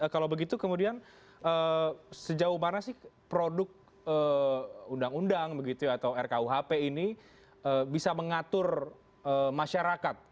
kalau begitu kemudian sejauh mana sih produk undang undang atau rkuhp ini bisa mengatur masyarakat